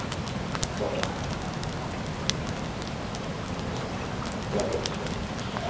それはなぜでしょう。